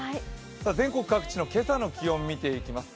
全国各地の今朝の気温見ていきます。